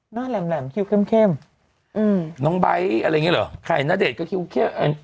แหลมแหลมคิวเข้มเข้มอืมน้องไบท์อะไรอย่างงี้เหรอใครณเดชน์ก็คิวเข้มเออ